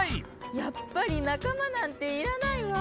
やっぱり仲間なんていらないわ。